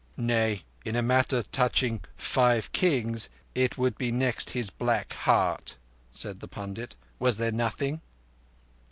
"Nay—in a matter touching Five Kings it would be next his black heart," said the pundit. "Was there nothing?"